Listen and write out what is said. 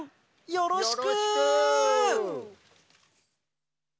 よろしく！